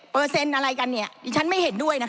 เปอร์เซ็นต์อะไรกันเนี้ยที่ฉันไม่เห็นด้วยนะคะ